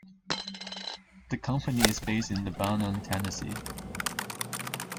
The company is based in Lebanon, Tennessee.